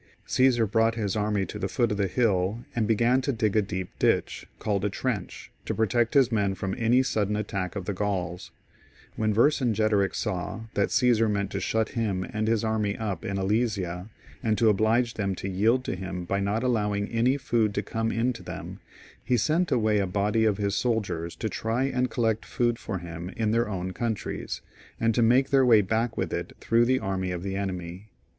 Caesar brought his army to the foot of the hill, and began to dig a deep ditch, called a trench, to protect his men from any sudden attack of the Grauls. When Vercingetorix saw that Caesar meant to shut him and his army up in Alesia, and to oblige them to yield to him by not allow ing any food to come in to them, he sent away a body of his soldiers to try and collect food for him in their own countries, and to make their way back with it through the army of the enemy.